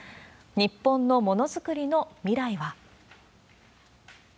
日本のものづくりの未来は。